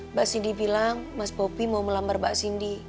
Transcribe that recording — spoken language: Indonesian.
mbak cindy bilang mas bobby mau melamar mbak cindy